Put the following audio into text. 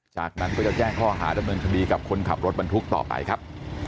จากนั้นก็จะแจ้งข้อหาดำเนินคดีกับคนขับรถบรรทุกต่อไปครับ